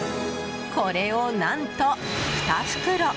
これを何と２袋！